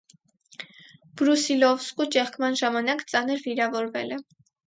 Բրուսիլովսկու ճեղքման ժամանակ ծանր վիրավորվել է։